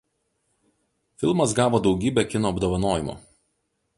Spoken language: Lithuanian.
Filmas gavo daugybę kino apdovanojimų.